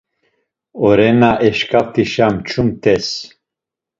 Orena eşǩaft̆işa mçumt̆es.